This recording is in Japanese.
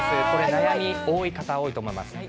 悩み多い方、多いと思います。